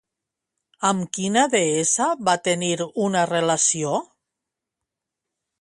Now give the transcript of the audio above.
Amb quina deessa va tenir una relació?